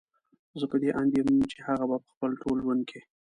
زه په دې اند يم چې هغه به په خپل ټول ژوند کې